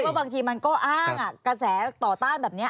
บางทีมันก็อ้างกระแสต่อต้านแบบนี้